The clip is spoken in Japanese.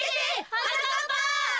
はなかっぱ！